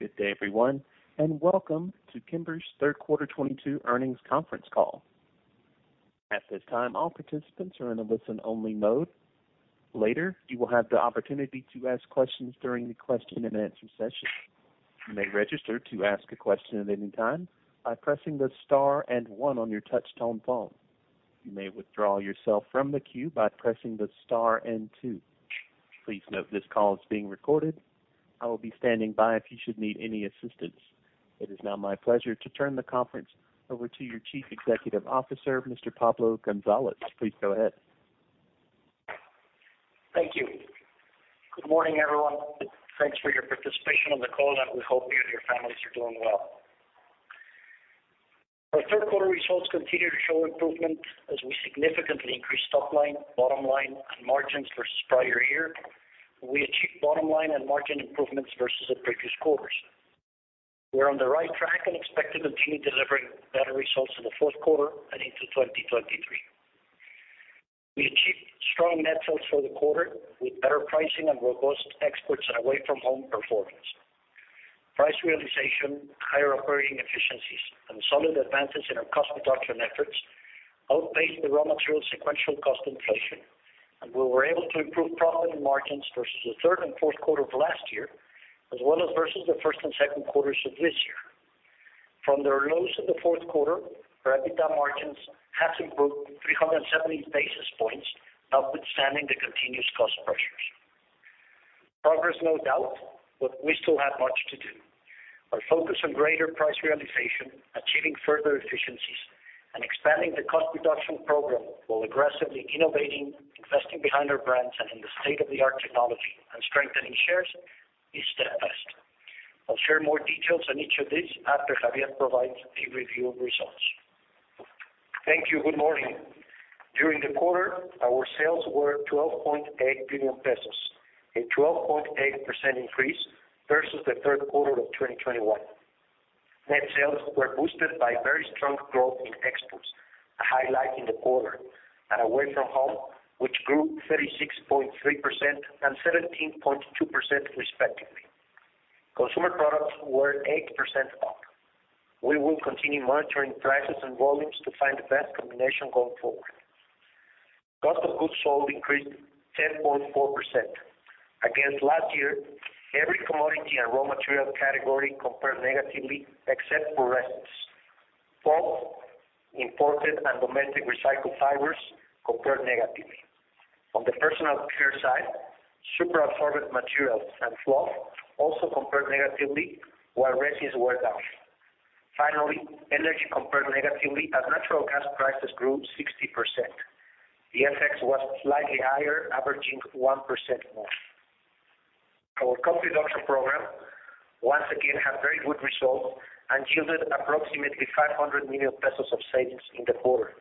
Good day, everyone, and welcome to Kimberly-Clark de México's third quarter 2022 earnings conference call. At this time, all participants are in a listen-only mode. Later, you will have the opportunity to ask questions during the question-and-answer session. You may register to ask a question at any time by pressing the star and one on your touchtone phone. You may withdraw yourself from the queue by pressing the star and two. Please note this call is being recorded. I will be standing by if you should need any assistance. It is now my pleasure to turn the conference over to your Chief Executive Officer, Mr. Pablo González. Please go ahead. Thank you. Good morning, everyone. Thanks for your participation on the call, and we hope you and your families are doing well. Our third quarter results continue to show improvement as we significantly increase top line, bottom line, and margins versus prior year. We achieved bottom line and margin improvements versus the previous quarters. We're on the right track and expect to continue delivering better results in the fourth quarter and into 2023. We achieved strong net sales for the quarter with better pricing and robust exports and away-from-home performance. Price realization, higher operating efficiencies, and solid advances in our cost reduction efforts outpaced the raw material sequential cost inflation, and we were able to improve profit and margins versus the third and fourth quarter of last year, as well as versus the first and second quarters of this year. From their lows in the fourth quarter, our EBITDA margins have improved 370 basis points, notwithstanding the continuous cost pressures. Progress, no doubt, but we still have much to do. Our focus on greater price realization, achieving further efficiencies, and expanding the cost reduction program while aggressively innovating, investing behind our brands and in state-of-the-art technology and strengthening shares is steadfast. I'll share more details on each of these after Xavier provides a review of results. Thank you. Good morning. During the quarter, our sales were 12.8 billion pesos, a 12.8% increase versus the third quarter of 2021. Net sales were boosted by very strong growth in exports, a highlight in the quarter, and away from home, which grew 36.3% and 17.2% respectively. Consumer products were 8% up. We will continue monitoring prices and volumes to find the best combination going forward. Cost of goods sold increased 10.4%. Against last year, every commodity and raw material category compared negatively except for resins. Pulp, imported and domestic recycled fibers compared negatively. On the personal care side, super absorbent materials and fluff also compared negatively, while resins were down. Finally, energy compared negatively as natural gas prices grew 60%. The FX was slightly higher, averaging 1% more. Our cost reduction program once again had very good results and yielded approximately 500 million pesos of savings in the quarter.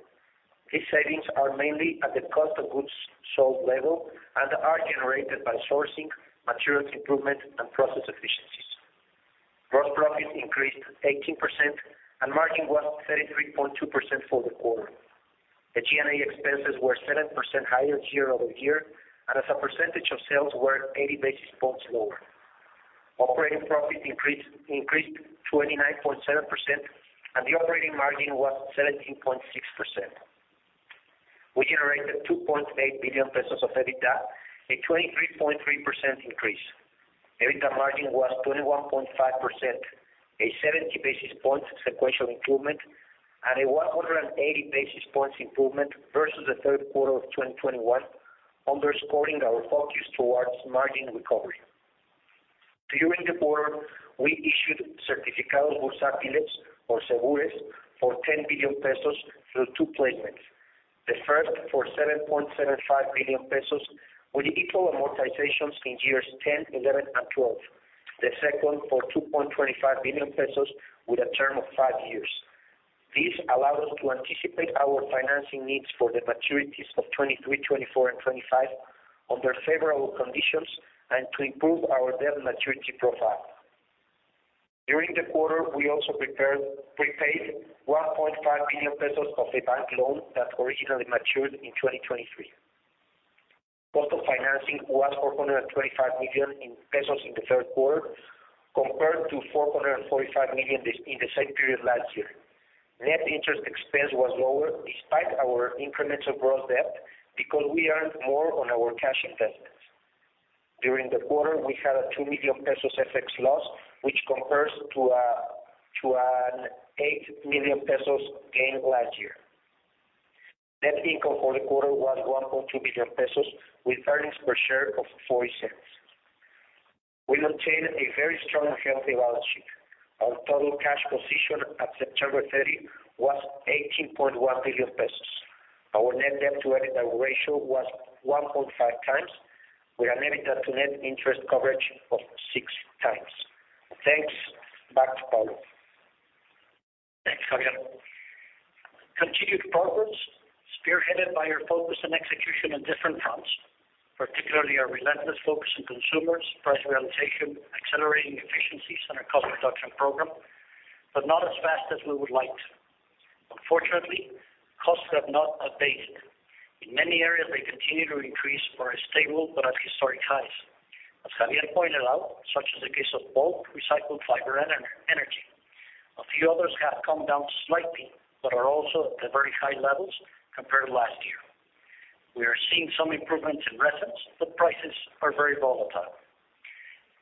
These savings are mainly at the cost of goods sold level and are generated by sourcing, materials improvement, and process efficiencies. Gross profit increased 18%, and margin was 33.2% for the quarter. The G&A expenses were 7% higher year over year, and as a percentage of sales were 80 basis points lower. Operating profit increased 29.7%, and the operating margin was 17.6%. We generated 2.8 billion pesos of EBITDA, a 23.3% increase. EBITDA margin was 21.5%, a 70 basis points sequential improvement and a 180 basis points improvement versus the third quarter of 2021, underscoring our focus towards margin recovery. During the quarter, we issued certificados bursátiles or cebures for 10 billion pesos through two placements. The first for 7.75 billion pesos with equal amortizations in years 10, 11, and 12. The second for 2.25 billion pesos with a term of 5 years. This allowed us to anticipate our financing needs for the maturities of 2023, 2024, and 2025 under favorable conditions and to improve our debt maturity profile. During the quarter, we also prepared, prepaid 1.5 billion pesos of a bank loan that originally matured in 2023. Cost of financing was 425 million pesos in the third quarter compared to 445 million in the same period last year. Net interest expense was lower despite our incremental gross debt because we earned more on our cash investments. During the quarter, we had a 2 million pesos FX loss, which compares to to an 8 million pesos gain last year. Net income for the quarter was 1.2 billion pesos with earnings per share of 0.40. We maintained a very strong and healthy balance sheet. Our total cash position at September 30 was 18.1 billion pesos. Our net debt to EBITDA ratio was 1.5 times, with an EBITDA to net interest coverage of 6 times. Thanks. Back to Pablo. Thanks, Xavier. Continued progress spearheaded by our focus and execution on different fronts, particularly our relentless focus on consumers, price realization, accelerating efficiencies, and our cost reduction program, but not as fast as we would like. Unfortunately, costs have not abated. In many areas, they continue to increase or are stable, but at historic highs. As Xavier pointed out, such is the case of both recycled fiber and energy. A few others have come down slightly, but are also at very high levels compared to last year. We are seeing some improvements in resins, but prices are very volatile.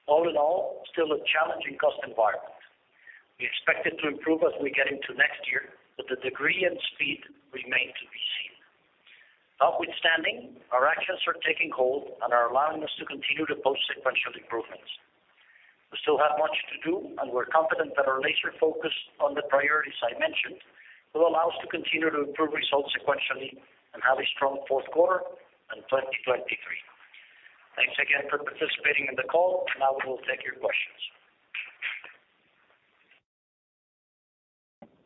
All in all, still a challenging cost environment. We expect it to improve as we get into next year, but the degree and speed remain to be seen. Notwithstanding, our actions are taking hold and are allowing us to continue to post sequential improvements. We still have much to do, and we're confident that our laser focus on the priorities I mentioned will allow us to continue to improve results sequentially and have a strong fourth quarter and 2023. Thanks again for participating in the call. Now we will take your questions.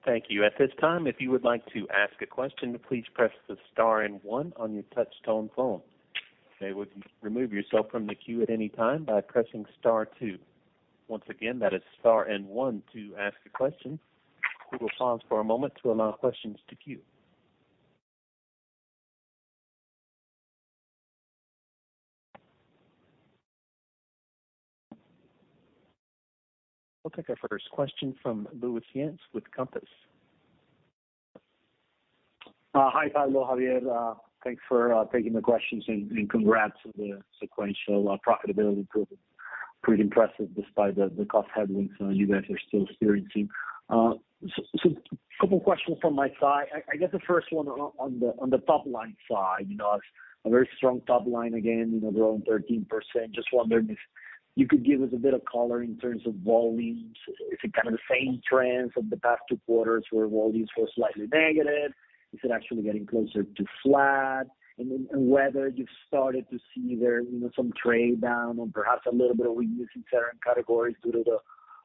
Thank you. At this time, if you would like to ask a question, please press the star and one on your touch tone phone. You may remove yourself from the queue at any time by pressing star two. Once again, that is star and one to ask a question. We will pause for a moment to allow questions to queue. We'll take our first question from Luis Yance with Compass. Hi, Pablo, Xavier. Thanks for taking the questions and congrats on the sequential profitability improvement. Pretty impressive despite the cost headwinds you guys are still experiencing. So couple questions from my side. I guess the first one on the top line side. You know, a very strong top line, again, you know, growing 13%. Just wondering if you could give us a bit of color in terms of volumes. Is it kind of the same trends of the past two quarters where volumes were slightly negative? Is it actually getting closer to flat? Whether you've started to see there, you know, some trade down or perhaps a little bit of weakness in certain categories due to the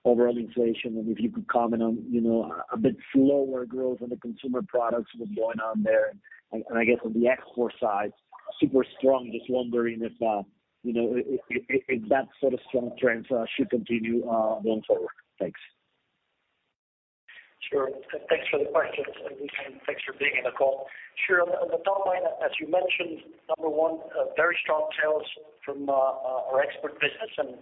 overall inflation, and if you could comment on, you know, a bit slower growth in the consumer products, what's going on there. I guess on the export side, super strong. Just wondering if, you know, if that sort of strong trends should continue, going forward. Thanks. Sure. Thanks for the questions, Luis, and thanks for being in the call. Sure. On the top line, as you mentioned, number one, very strong sales from our export business, and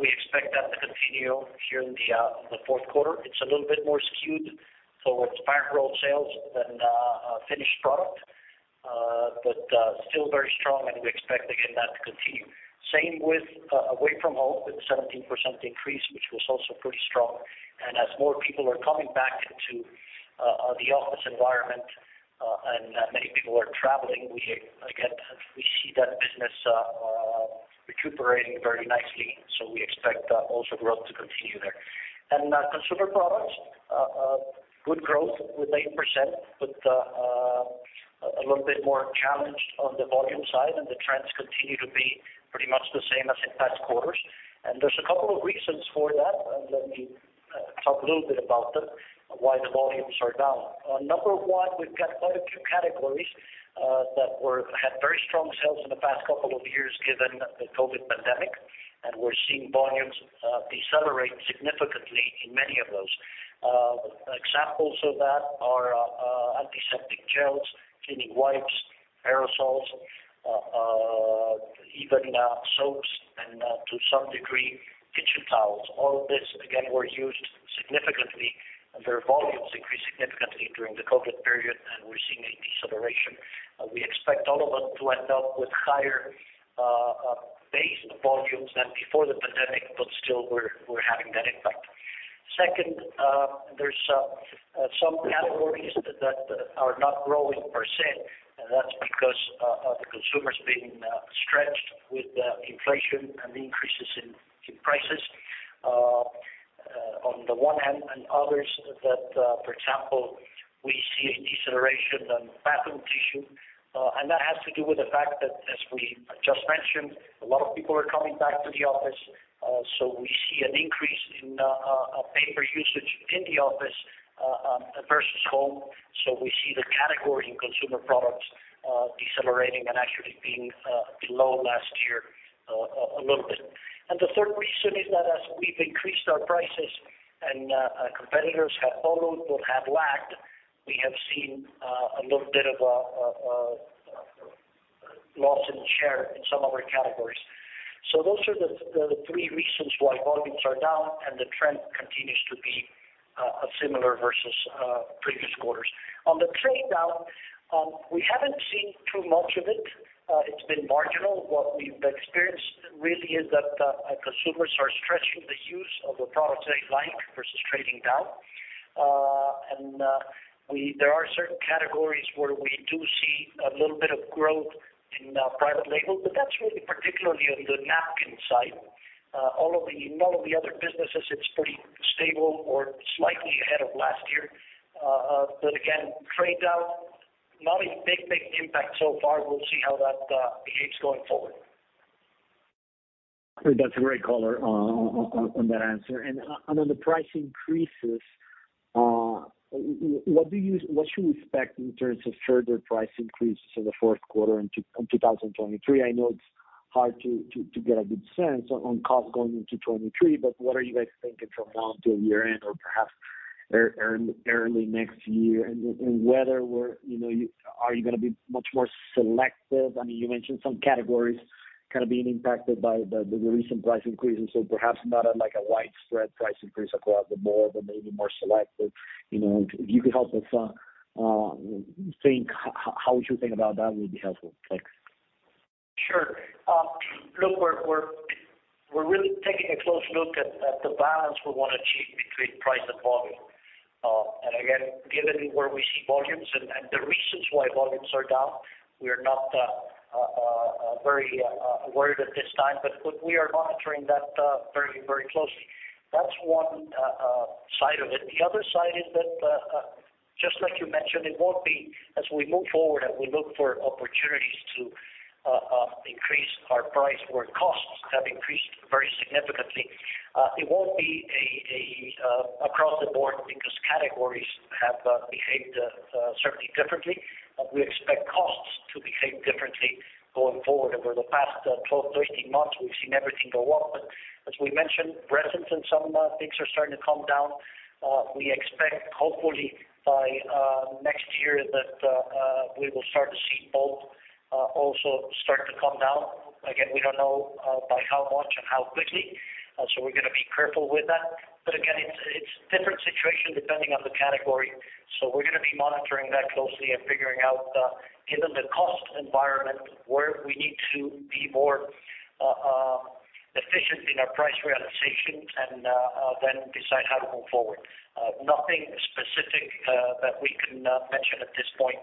we expect that to continue here in the fourth quarter. It's a little bit more skewed towards parent roll sales than finished product, but still very strong, and we expect, again, that to continue. Same with away from home with 17% increase, which was also pretty strong. As more people are coming back into the office environment, and many people are traveling, we again see that business recuperating very nicely. We expect also growth to continue there. Consumer products, good growth with 8%, but a little bit more challenged on the volume side, and the trends continue to be pretty much the same as in past quarters. There's a couple of reasons for that, and let me talk a little bit about them, why the volumes are down. Number one, we've got quite a few categories that had very strong sales in the past couple of years given the COVID pandemic, and we're seeing volumes decelerate significantly in many of those. Examples of that are, antiseptic gels, cleaning wipes, aerosols, even, soaps and, to some degree, kitchen towels. All of this, again, were used significantly, and their volumes increased significantly during the COVID period, and we're seeing a deceleration. We expect all of them to end up with higher base volumes than before the pandemic, but still we're having that impact. Second, there's some categories that are not growing per se, and that's because the consumer's being stretched with inflation and increases in prices on the one hand, and others that for example, we see a deceleration on bathroom tissue. That has to do with the fact that, as we just mentioned, a lot of people are coming back to the office. We see an increase in paper usage in the office versus home. We see the category in consumer products decelerating and actually being below last year a little bit. The third reason is that as we've increased our prices and competitors have followed but have lagged, we have seen a little bit of a loss in share in some of our categories. Those are the three reasons why volumes are down and the trend continues to be similar versus previous quarters. On the trade down, we haven't seen too much of it. It's been marginal. What we've experienced really is that consumers are stretching the use of the products they like versus trading down. There are certain categories where we do see a little bit of growth in private label, but that's really particularly on the napkin side. In all of the other businesses, it's pretty stable or slightly ahead of last year. Again, trade down, not a big impact so far. We'll see how that behaves going forward. That's a great color on that answer. On the price increases, what should we expect in terms of further price increases in the fourth quarter in 2023? I know it's hard to get a good sense on costs going into 2023, but what are you guys thinking from now until year-end or perhaps early next year? And whether we're, you know, are you gonna be much more selective? I mean, you mentioned some categories kind of being impacted by the recent price increases, so perhaps not a like a widespread price increase across the board, but maybe more selective. You know, if you could help us think how we should think about that would be helpful. Thanks. Sure. Look, we're really taking a close look at the balance we wanna achieve between price and volume. Again, given where we see volumes and the reasons why volumes are down, we are not very worried at this time. Look, we are monitoring that very closely. That's one side of it. The other side is that just like you mentioned, it won't be as we move forward and we look for opportunities to increase our price where costs have increased very significantly. It won't be across the board because categories have behaved certainly differently. We expect costs to behave differently going forward. Over the past 12-13 months, we've seen everything go up. As we mentioned, resins and some things are starting to come down. We expect hopefully by next year that we will start to see pulp also start to come down. Again, we don't know by how much and how quickly, so we're gonna be careful with that. Again, it's different situation depending on the category, so we're gonna be monitoring that closely and figuring out, given the cost environment, where we need to be more efficient in our price realizations and then decide how to move forward. Nothing specific that we can mention at this point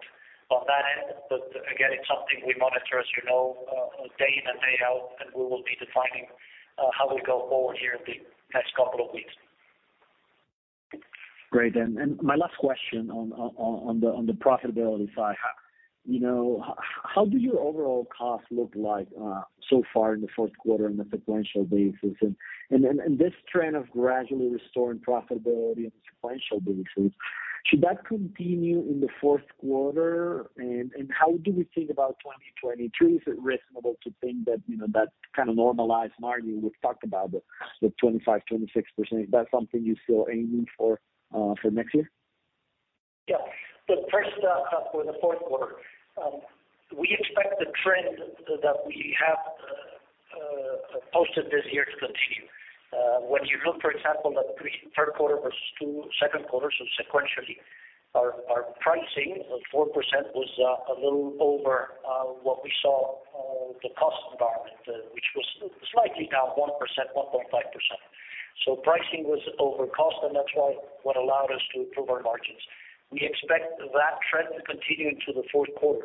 on that end. Again, it's something we monitor, as you know, day in and day out, and we will be defining how we go forward here in the next couple of weeks. Great. My last question on the profitability side. You know, how do your overall costs look like so far in the fourth quarter on a sequential basis? Then this trend of gradually restoring profitability on a sequential basis, should that continue in the fourth quarter? How do we think about 2023? Is it reasonable to think that, you know, that kind of normalized margin we've talked about, the 25%-26%, is that something you're still aiming for for next year? Yeah. First, for the fourth quarter, we expect the trend that we have posted this year to continue. When you look, for example, at third quarter versus second quarter, sequentially, our pricing of 4% was a little over what we saw, the cost environment, which was slightly down 1%-1.5%. Pricing was over cost, and that's what allowed us to improve our margins. We expect that trend to continue into the fourth quarter.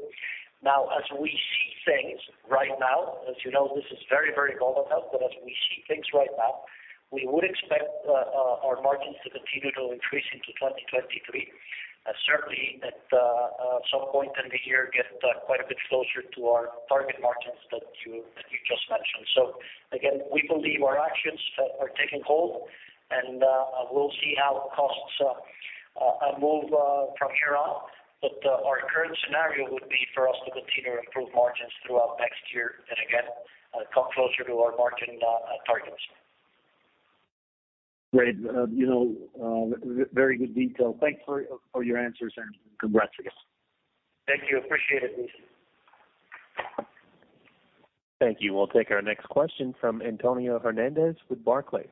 Now, as we see things right now, as you know, this is very volatile, but as we see things right now, we would expect our margins to continue to increase into 2023. Certainly at some point in the year get quite a bit closer to our target margins that you just mentioned. Again, we believe our actions are taking hold, and we'll see how costs move from here on. Our current scenario would be for us to continue to improve margins throughout next year and again come closer to our margin targets. Great. You know, very good detail. Thanks for your answers, and congrats again. Thank you. Appreciate it, Luis. Thank you. We'll take our next question from Antonio Hernandez with Barclays.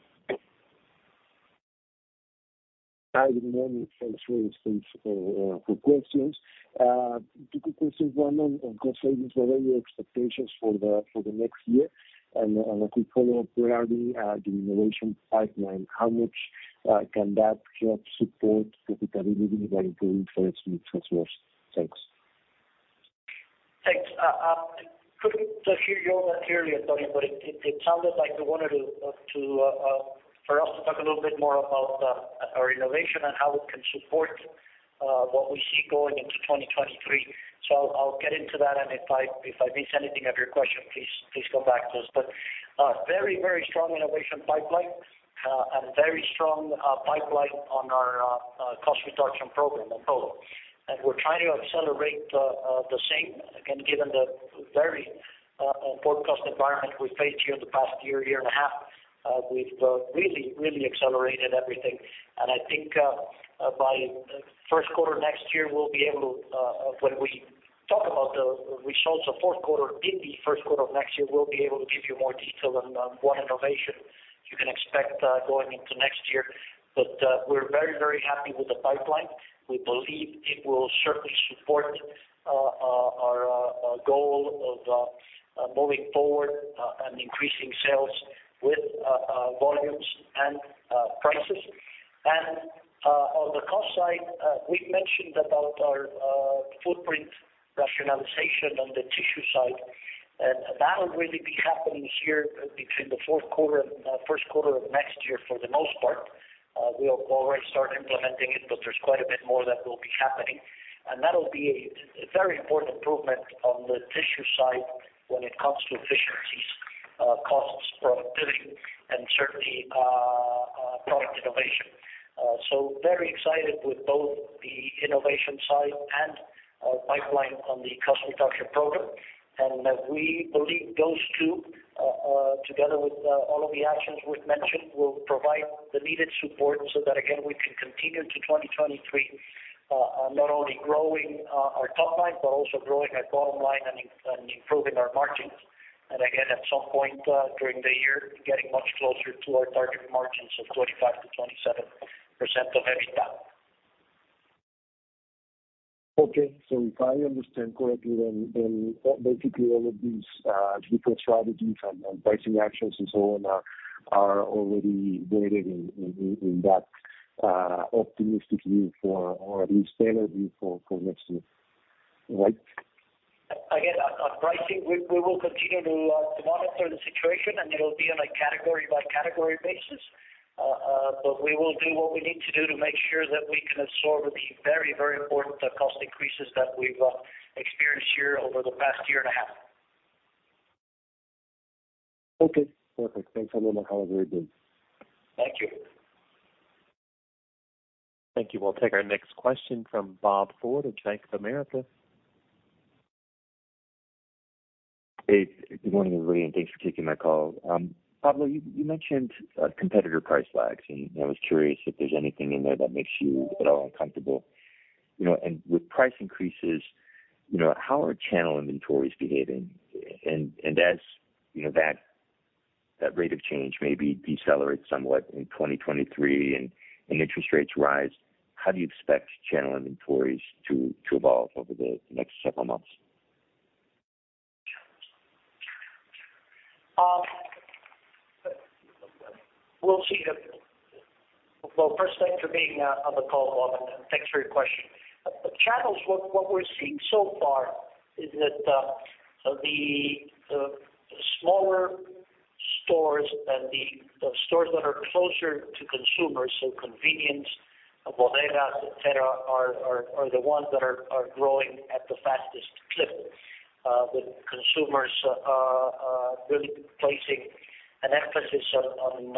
Hi, good morning. Thanks, Luis, thanks for questions. Two quick questions. One on cost savings. What are your expectations for the next year? A quick follow-up regarding the innovation pipeline, how much can that help support profitability while you wait for it to get worse? Thanks. Thanks. Couldn't hear you all that clearly, Antonio, but it sounded like you wanted to for us to talk a little bit more about our innovation and how it can support what we see going into 2023. I'll get into that. If I miss anything of your question, please go back to us. Very strong innovation pipeline and very strong pipeline on our cost reduction program, Apollo. We're trying to accelerate the same. Again, given the very poor cost environment we faced here in the past year and a half, we've really accelerated everything. I think by first quarter next year, when we talk about the results of fourth quarter in the first quarter of next year, we'll be able to give you more detail on what innovation you can expect going into next year. We're very happy with the pipeline. We believe it will certainly support our goal of moving forward and increasing sales with volumes and prices. On the cost side, we've mentioned about our footprint rationalization on the tissue side, and that'll really be happening here between the fourth quarter and first quarter of next year for the most part. We have already started implementing it, but there's quite a bit more that will be happening. That'll be a very important improvement on the tissue side when it comes to efficiencies, costs, profitability, and certainly product innovation. Very excited with both the innovation side and our pipeline on the cost reduction program. We believe those two together with all of the actions we've mentioned will provide the needed support so that, again, we can continue to 2023 not only growing our top line, but also growing our bottom line and improving our margins. Again, at some point during the year, getting much closer to our target margins of 25%-27% of EBITDA. Okay. If I understand correctly then, basically all of these deeper strategies and pricing actions and so on are already weighed in that optimistic view for, or at least tailored view for next year. Right? Again, on pricing, we will continue to monitor the situation, and it'll be on a category by category basis. But we will do what we need to do to make sure that we can absorb the very important cost increases that we've experienced here over the past year and a half. Okay. Perfect. Thanks a lot, Pablo. Very good. Thank you. Thank you. We'll take our next question from Robert Ford of Bank of America. Hey, good morning, everybody, and thanks for taking my call. Pablo, you mentioned competitor price lags, and I was curious if there's anything in there that makes you at all uncomfortable. You know, with price increases, you know, how are channel inventories behaving? As you know that rate of change maybe decelerates somewhat in 2023 and interest rates rise, how do you expect channel inventories to evolve over the next several months? We'll see. Well, first, thanks for being on the call, Bob, and thanks for your question. The channels, what we're seeing so far is that the smaller stores and the stores that are closer to consumers, so convenience, bodega, et cetera, are the ones that are growing at the fastest clip, with consumers really placing an emphasis on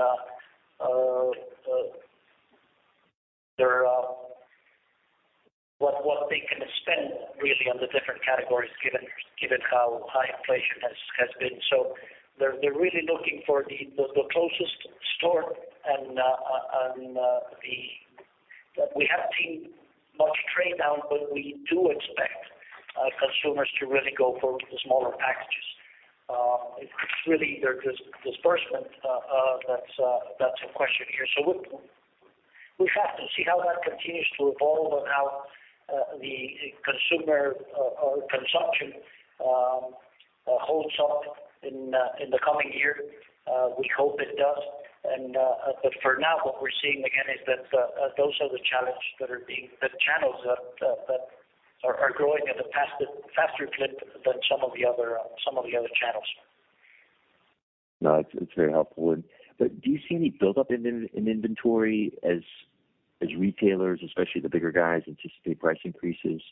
what they can spend really on the different categories given how high inflation has been. They're really looking for the closest store. We haven't seen much trade down, but we do expect consumers to really go for the smaller packages. It's really their discretionary that's a question here. We have to see how that continues to evolve and how the consumer or consumption holds up in the coming year. We hope it does. For now, what we're seeing again is that the channels that are growing at a faster clip than some of the other channels. No, it's very helpful. Do you see any buildup in inventory as retailers, especially the bigger guys, anticipate price increases?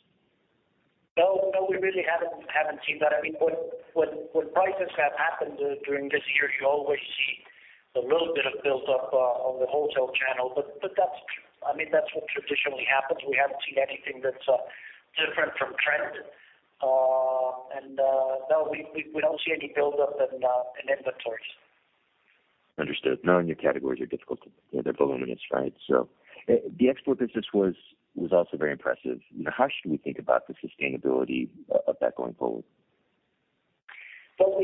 No. No, we really haven't seen that. I mean, when prices have happened during this year, you always see a little bit of buildup on the wholesale channel. That's, I mean, that's what traditionally happens. We haven't seen anything that's different from trend. No, we don't see any buildup in inventories. Understood. Knowing your categories are difficult. They're voluminous, right? The export business was also very impressive. You know, how should we think about the sustainability of that going forward? Well,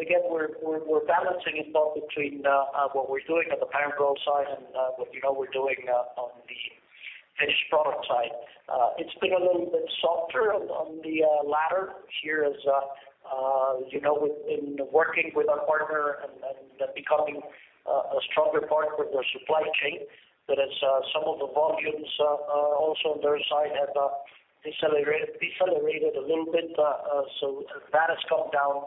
again, we're balancing it both between what we're doing on the parent rolls side and what, you know, we're doing on the finished product side. It's been a little bit softer on the latter here as you know, working with our partner and becoming a stronger part of their supply chain. As some of the volumes also on their side have decelerated a little bit, so that has come down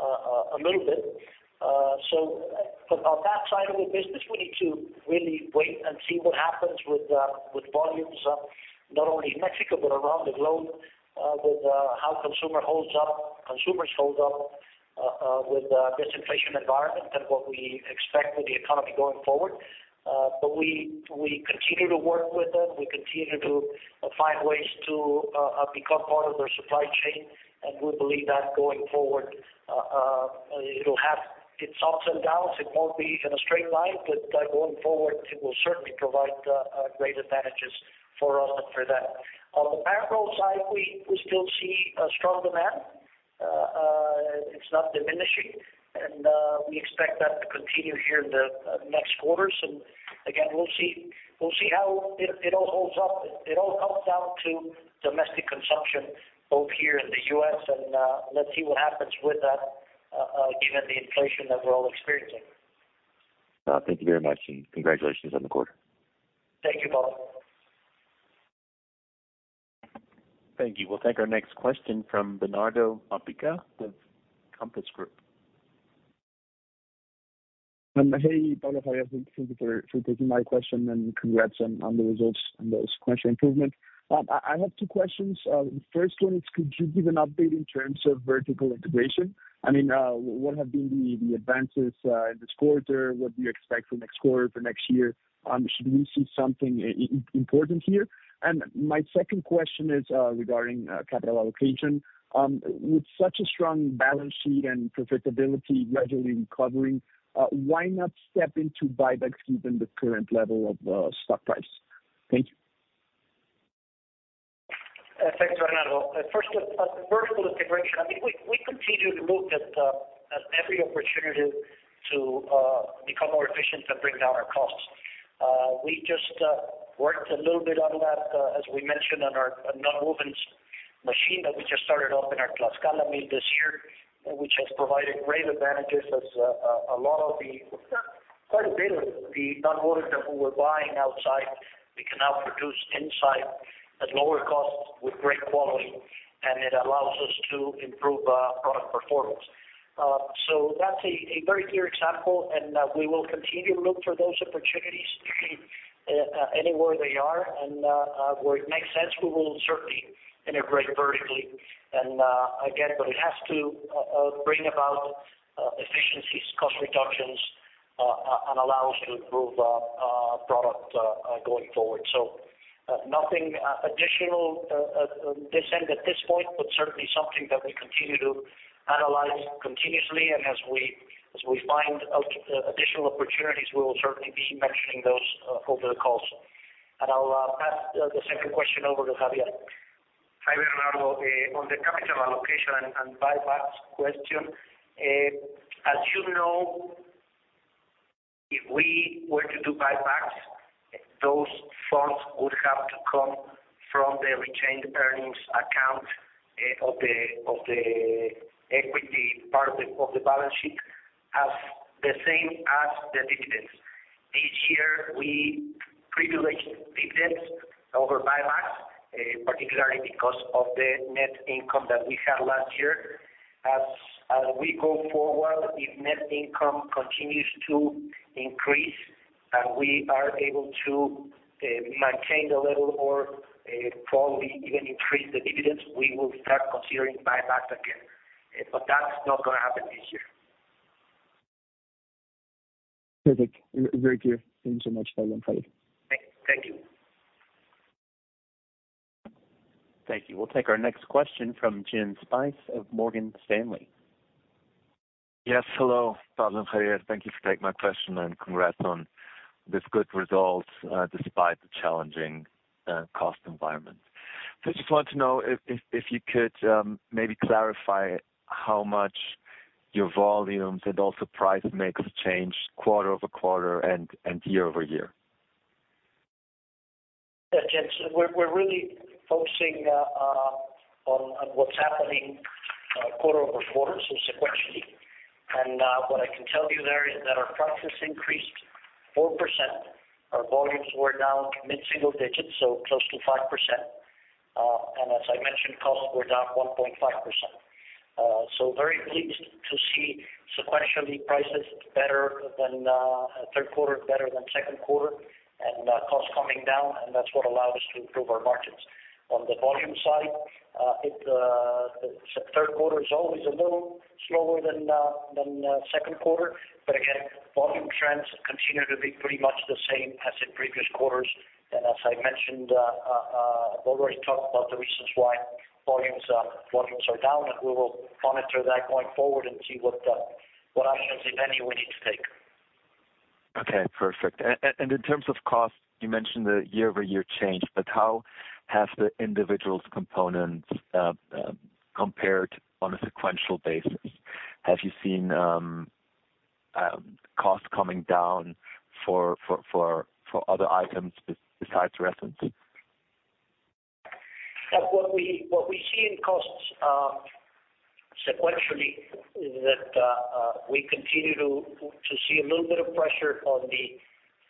a little bit. On that side of the business, we need to really wait and see what happens with volumes, not only in Mexico, but around the globe, with how consumers hold up with this inflation environment and what we expect with the economy going forward. We continue to work with them. We continue to find ways to become part of their supply chain, and we believe that going forward, it'll have its ups and downs. It won't be in a straight line, but going forward, it will certainly provide great advantages for us and for them. On the parent rolls side, we still see a strong demand. It's not diminishing, and we expect that to continue here in the next quarters. We'll see how it all holds up. It all comes down to domestic consumption, both here in the U.S. and let's see what happens with that, given the inflation that we're all experiencing. Thank you very much, and congratulations on the quarter. Thank you, Bob. Thank you. We'll take our next question from Benjamin Theurer with Barclays. Hey, Pablo, Xavier. Thank you for taking my question, and congrats on the results and the sequential improvement. I have two questions. The first one is, could you give an update in terms of vertical integration? I mean, what have been the advances this quarter? What do you expect for next quarter, for next year? Should we see something important here? My second question is regarding capital allocation. With such a strong balance sheet and profitability gradually recovering, why not step in to buybacks given the current level of stock price? Thank you. Thanks, Benjamin Theurer. First, vertical integration. I think we continue to look at every opportunity to become more efficient and bring down our costs. We just worked a little bit on that, as we mentioned on our nonwovens machine that we just started up in our Tlaxcala mill this year, which has provided great advantages, as quite a bit of the nonwoven that we were buying outside we can now produce inside at lower costs with great quality, and it allows us to improve product performance. That's a very clear example, and we will continue to look for those opportunities anywhere they are. Where it makes sense, we will certainly integrate vertically. Again, but it has to bring about efficiencies, cost reductions, and allow us to improve product going forward. Nothing additional on this end at this point, but certainly something that we continue to analyze continuously. As we find out additional opportunities, we will certainly be mentioning those over the calls. I'll pass the second question over to Xavier. Hi, Bernardo. On the capital allocation and buybacks question, as you know, if we were to do buybacks, those funds would have to come from the retained earnings account of the equity part of the balance sheet just the same as the dividends. This year, we privileged dividends over buybacks, particularly because of the net income that we had last year. As we go forward, if net income continues to increase and we are able to maintain the level or probably even increase the dividends, we will start considering buyback again. That's not gonna happen this year. Perfect. Very clear. Thank you so much, Pablo and Xavier. Thank you. Thank you. We'll take our next question from Jeronimo de Guzman of Morgan Stanley. Yes. Hello, Pablo and Xavier. Thank you for taking my question and congrats on this good results despite the challenging cost environment. I just wanted to know if you could maybe clarify how much your volumes and also price mix changed quarter-over-quarter and year-over-year. Yeah, Jim. We're really focusing on what's happening quarter-over-quarter, so sequentially. What I can tell you there is that our prices increased 4%. Our volumes were down mid-single digits, so close to 5%. And as I mentioned, costs were down 1.5%. So very pleased to see sequentially prices better than third quarter, better than second quarter, and costs coming down, and that's what allowed us to improve our margins. On the volume side, the third quarter is always a little slower than second quarter. Again, volume trends continue to be pretty much the same as in previous quarters. As I mentioned, we've already talked about the reasons why volumes are down, and we will monitor that going forward and see what actions, if any, we need to take. Okay, perfect. In terms of costs, you mentioned the year-over-year change, but how has the individual components compared on a sequential basis? Have you seen costs coming down for other items besides resins? Yeah. What we see in costs sequentially is that we continue to see a little bit of pressure on the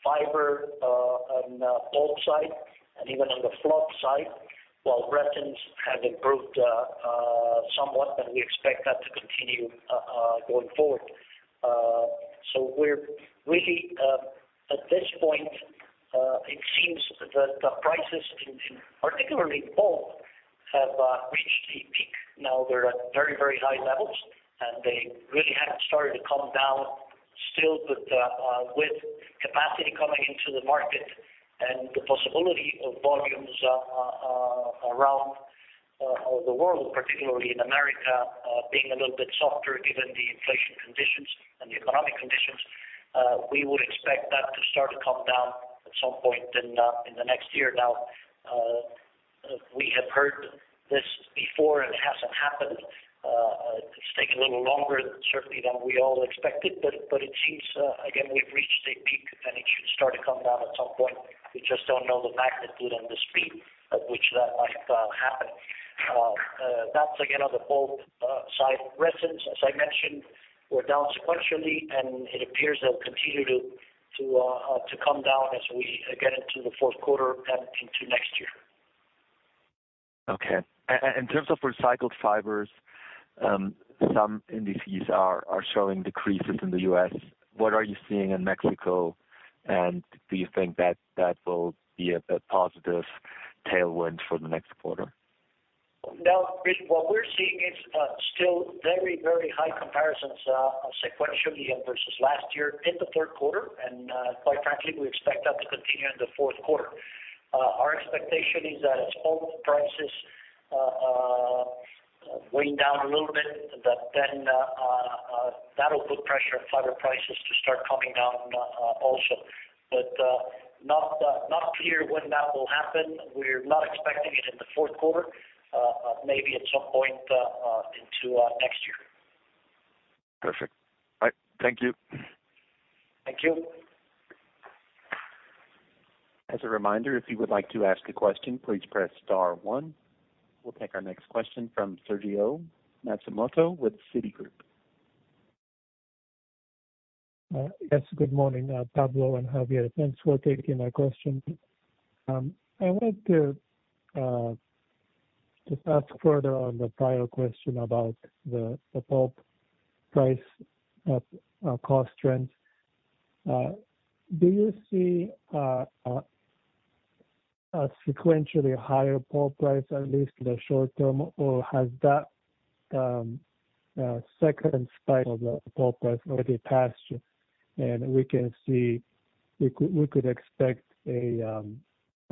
fiber on pulp side and even on the fluff side. While resins have improved somewhat, and we expect that to continue going forward. So we're really at this point it seems that the prices in particularly pulp have reached a peak. Now they're at very, very high levels, and they really haven't started to come down still. But with capacity coming into the market and the possibility of volumes around the world, particularly in America, being a little bit softer given the inflation conditions and the economic conditions, we would expect that to start to come down at some point in the next year. Now, we have heard this before, and it hasn't happened. It's taking a little longer certainly than we all expected, but it seems again, we've reached a peak, and it should start to come down at some point. We just don't know the magnitude and the speed at which that might happen. That's again on the pulp side. Resins, as I mentioned, we're down sequentially, and it appears they'll continue to come down as we get into the fourth quarter and into next year. In terms of recycled fibers, some indices are showing decreases in the U.S. What are you seeing in Mexico, and do you think that will be a positive tailwind for the next quarter? No. Chris, what we're seeing is still very, very high comparisons sequentially and versus last year in the third quarter. Quite frankly, we expect that to continue in the fourth quarter. Our expectation is that as pulp prices weigh down a little bit, that then that'll put pressure on fiber prices to start coming down also. Not clear when that will happen. We're not expecting it in the fourth quarter, maybe at some point into next year. Perfect. All right. Thank you. Thank you. As a reminder, if you would like to ask a question, please press star one. We'll take our next question from Sergio Matsumoto with Citigroup. Yes, good morning, Pablo and Xavier. Thanks for taking my question. I wanted to just ask further on the prior question about the pulp price cost trend. Do you see a sequentially higher pulp price, at least in the short term, or has that second spike of the pulp price already passed you? We could expect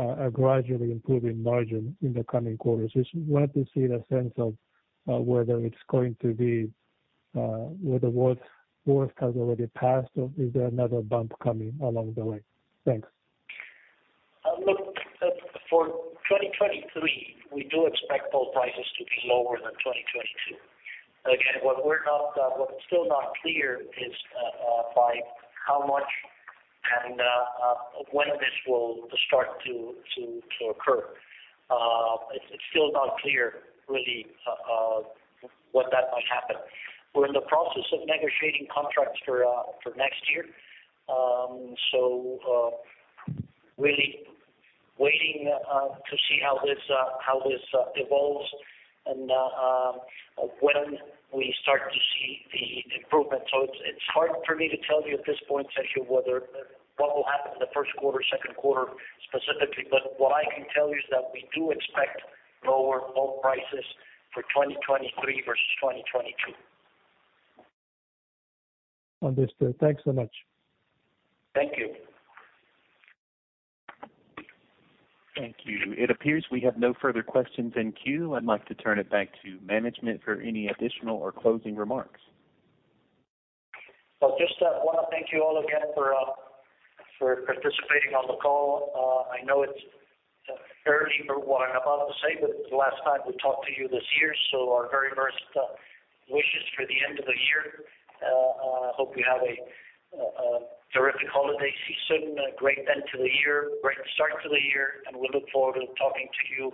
a gradually improving margin in the coming quarters. Just wanted to see the sense of whether it's going to be whether worst has already passed or is there another bump coming along the way? Thanks. Look, for 2023, we do expect pulp prices to be lower than 2022. Again, what's still not clear is by how much and when this will start to occur. It's still not clear really when that might happen. We're in the process of negotiating contracts for next year. Really waiting to see how this evolves and when we start to see the improvement. It's hard for me to tell you at this point, Sergio, whether what will happen in the first quarter, second quarter specifically. What I can tell you is that we do expect lower pulp prices for 2023 versus 2022. Understood. Thanks so much. Thank you. Thank you. It appears we have no further questions in queue. I'd like to turn it back to management for any additional or closing remarks. Well, just wanna thank you all again for participating on the call. I know it's early for what I'm about to say, but it's the last time we talk to you this year. Our very best wishes for the end of the year. Hope you have a terrific holiday season, a great end to the year, great start to the year, and we look forward to talking to you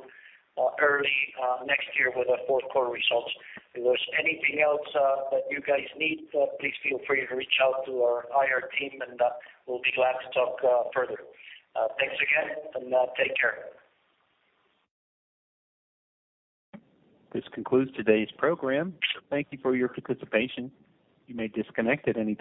early next year with our fourth quarter results. If there's anything else that you guys need, please feel free to reach out to our IR team, and we'll be glad to talk further. Thanks again, and take care. This concludes today's program. Thank you for your participation. You may disconnect at any time.